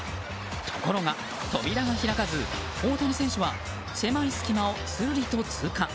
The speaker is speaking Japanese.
ところが、扉が開かず大谷選手は狭い隙間を、するりと通過。